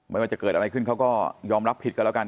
ไม่ว่าจะเกิดอะไรขึ้นเขาก็ยอมรับผิดกันแล้วกัน